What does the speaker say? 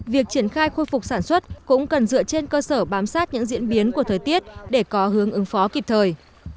việc triển khai khôi phục sản xuất cũng cần dựa trên cơ sở bám sát những diễn biến của thời tiết để có hướng ứng phó kịp thời